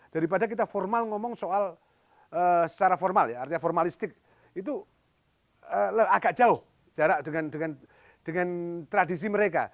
daripada kita formal ngomong soal secara formal ya artinya formalistik itu agak jauh jarak dengan tradisi mereka